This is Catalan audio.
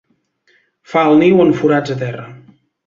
Fa el niu en forats a terra.